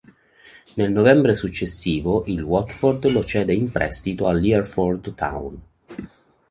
Nel novembre successivo, il Watford lo cede in prestito all'Hereford Town.